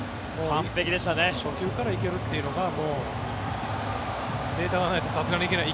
初球から行けるというのがデータがないとさすがに行けない。